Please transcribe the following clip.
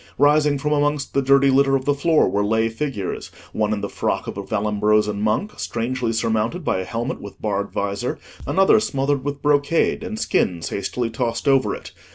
Rising from amongst the dirty litter of the floor were lay figures: one in the frock of a Vallombrosan monk, strangely surmounted by a helmet with barred visor, another smothered with brocade and skins hastily tossed over it.